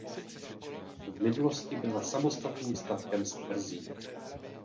V minulosti byla samostatným statkem s tvrzí.